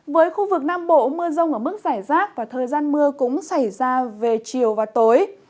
với khu vực nam bộ mưa rông ở mức giải rác và thời gian mưa cũng xảy ra về chiều và tối